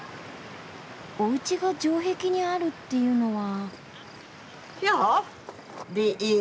おうちが城壁にあるっていうのは。